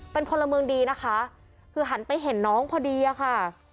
เป็นพลเมืองดีนะคะคือหันไปเห็นน้องพอดีอะค่ะ